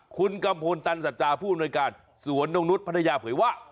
คุณกัมพลตันสัจจาผู้อำนวยการสวนนกนุษย์พัทยาเผยว่า